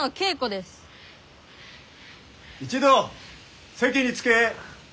一同席に着け。